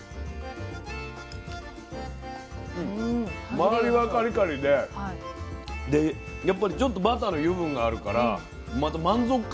周りはカリカリででやっぱりちょっとバターの油分があるからまた満足感もある。